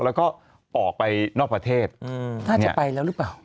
แล้วก็ออกไปนอกประเทศน่าจะไปแล้วหรือเปล่า